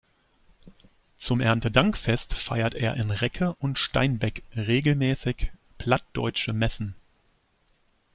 Zum Erntedankfest feiert er in Recke und Steinbeck regelmäßig plattdeutsche Messen.